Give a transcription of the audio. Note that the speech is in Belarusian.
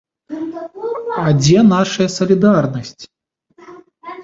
А дзе нашая салідарнасць?